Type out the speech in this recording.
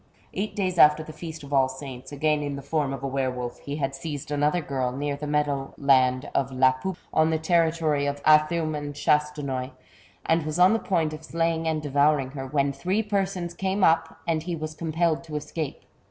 Eight days after the feast of All Saints, again in the form of a were wolf, he had seized another girl, near the meadow land of La Pouppe, on the territory of Athume and Chastenoy, and was on the point of slaying anA devouring her, when three persons came up, and he was compelled to escape.